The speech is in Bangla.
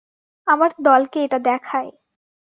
আমার দলকে এটা দেখাই।